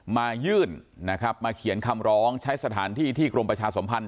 มายื่นนะครับมาเขียนคำร้องใช้สถานที่ที่กรมประชาสมพันธ์